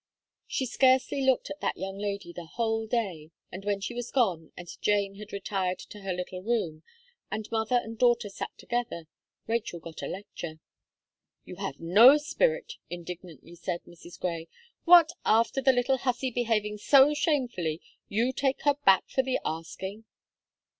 She scarcely looked at that young lady the whole day, and when she was gone, and Jane had retired to her little room, and mother and daughter sat together, Rachel got a lecture. "You have no spirit," indignantly said Mrs. Gray. "What! after the little hussy behaving so shamefully, you take her back for the asking!"